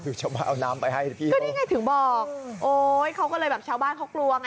ก็ได้ไงถึงบอกเขาก็เลยแบบชาวบ้านเขากลัวไง